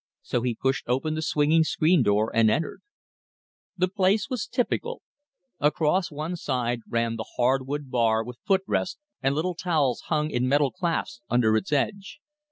So he pushed open the swinging screen door and entered. The place was typical. Across one side ran the hard wood bar with foot rest and little towels hung in metal clasps under its edge.